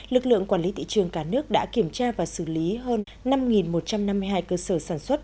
lực lượng quản lý thị trường cả nước đã kiểm tra và xử lý hơn năm một trăm năm mươi hai cơ sở sản xuất